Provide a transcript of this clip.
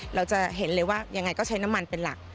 เราจะเห็นเลยว่ายังไงก็ใช้น้ำมันเป็นหลัก